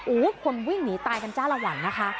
โอ้โหคนวิ่งหนีตายกันจ้าละวันนะคะ